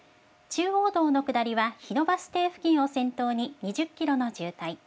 中央道の下りは日野バス停付近を先頭に２０キロの渋滞。